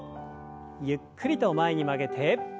ゆっくりと前に曲げて。